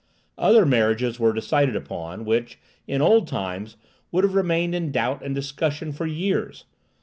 Other marriages were decided upon, which, in old times, would have remained in doubt and discussion for years.